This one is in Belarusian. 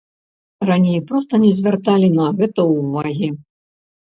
Раней проста не звярталі на гэта ўвагі.